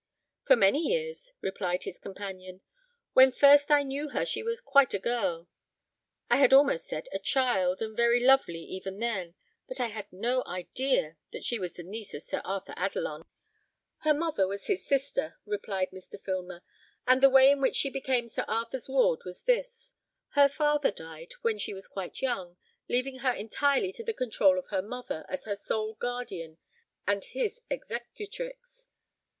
"For many years," replied his companion. "When first I knew her she was quite a girl, I had almost said a child, and very lovely even then; but I had no idea that she was the niece of Sir Arthur Adelon." "Her mother was his sister," replied Mr. Filmer; "and the way in which she became Sir Arthur's ward was this: Her father died when she was quite young, leaving her entirely to the control of her mother, as her sole guardian and his executrix.